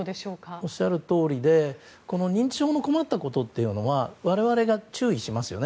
おっしゃるとおりで認知症の困ったことというのは我々が注意しますよね